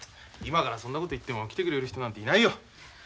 今からそんなこと言っても来てくれる人なんていないよ。